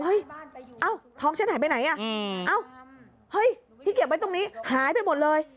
เฮ้ยท้องฉันหายไปไหนที่เก็บไว้ตรงนี้หายไปหมดเลย